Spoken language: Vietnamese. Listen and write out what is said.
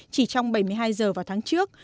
chỉ trong bảy mươi hai giờ vào tháng trước